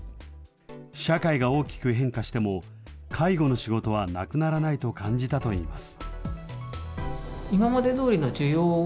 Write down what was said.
社会が大きく変化しても介護の仕事はなくならないと感じたといいます。